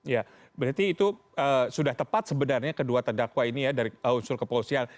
ya berarti itu sudah tepat sebenarnya kedua terdakwa ini ya dari unsur kepolisian